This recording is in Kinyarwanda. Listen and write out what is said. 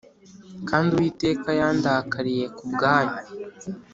Kandi Uwiteka yandakariye ku bwanyu